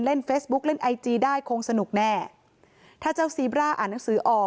เล่นเฟซบุ๊กเล่นไอจีได้คงสนุกแน่ถ้าเจ้าซีบร่าอ่านหนังสือออก